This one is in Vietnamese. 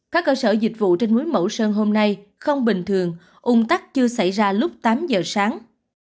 các cơ sở dịch vụ trên núi mẫu sơn hôm nay không bình thường ung tắc chưa xảy ra lúc tám giờ sáng